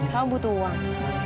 kamu butuh uang